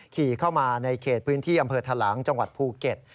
ขี่เข้ามาในเขตพื้นที่อำเภอทะลังจังหวัดภูเก็ต